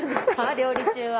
料理中は。